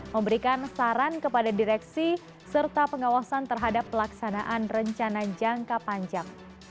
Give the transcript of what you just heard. memberikan saran kepada direksi serta pengawasan terhadap pelaksanaan rencana jangka panjang